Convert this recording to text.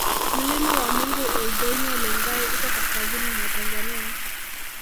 Mlima wa Mungu Ol Doinyo Lengai uko kaskazini mwa Tanzania